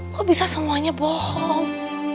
kok bisa semuanya bohong